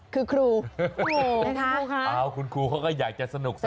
คือครูนะคะคุณครูเขาก็อยากจะสนุกสนาน